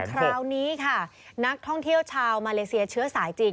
คราวนี้ค่ะนักท่องเที่ยวชาวมาเลเซียเชื้อสายจีน